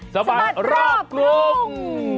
สมัครรอบครุ่ง